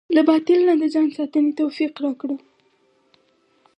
له باطل نه د ځان ساتنې توفيق راکړه.